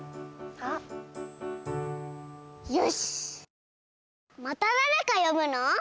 あっまただれかよぶの？